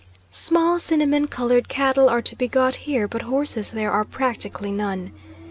Small cinnamon coloured cattle are to be got here, but horses there are practically none.